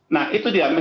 nah itu dia